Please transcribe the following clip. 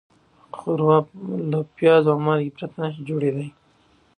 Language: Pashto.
ښوروا له پیاز او مالګې پرته نهشي جوړېدای.